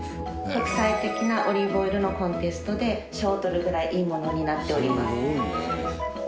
国際的なオリーブオイルのコンテストで賞を取るぐらいいいものになっております。